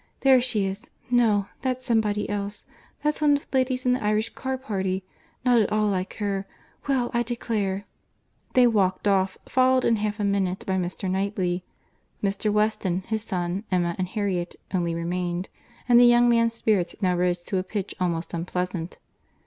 There she is—no, that's somebody else. That's one of the ladies in the Irish car party, not at all like her.—Well, I declare—" They walked off, followed in half a minute by Mr. Knightley. Mr. Weston, his son, Emma, and Harriet, only remained; and the young man's spirits now rose to a pitch almost unpleasant.